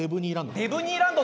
ああデブニーランド